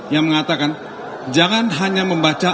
yang mengatakan jangan hanya membaca